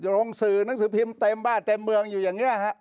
ลงสื่อหนังสือพิมพ์เต็มบ้านเต็มเมืองอยู่อย่างนี้ฮะ